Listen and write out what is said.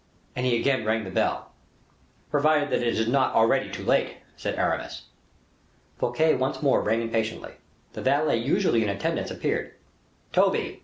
And he again rang the bell. "Provided that it is not already too late," said Aramis. Fouquet once more rang impatiently. The valet usually in attendance appeared. "Toby!"